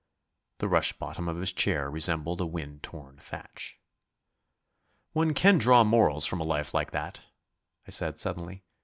The rush bottom of his chair resembled a wind torn thatch. "One can draw morals from a life like that," I said suddenly.